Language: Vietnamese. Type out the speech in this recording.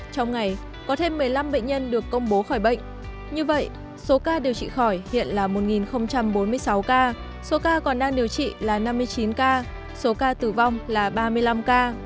trong ngày có thêm một mươi năm bệnh nhân được công bố khỏi bệnh như vậy số ca điều trị khỏi hiện là một bốn mươi sáu ca số ca còn đang điều trị là năm mươi chín ca số ca tử vong là ba mươi năm ca